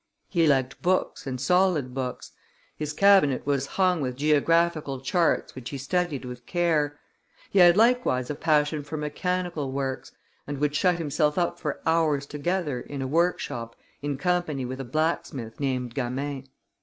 He liked books and solid books; his cabinet was hung with geographical charts which he studied with care; he had likewise a passion for mechanical works, and would shut himself up for hours together in a workshop in company with a blacksmith named Gamin.